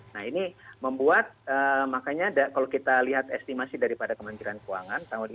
nah ini membuat makanya kalau kita lihat estimasi daripada kemanjuran keuangan tahun ini